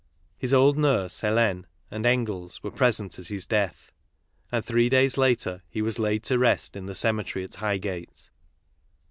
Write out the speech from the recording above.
His old nurse, Helene, and Engels were present at his death; and three days later he was laid to rest in the cemetery at Highgate.